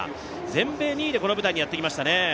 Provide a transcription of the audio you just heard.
全米２位でこの舞台にやってきましたね。